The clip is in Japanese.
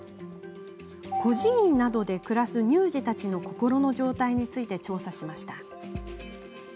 孤児院などで暮らす乳児たちの心の状態について調査しました。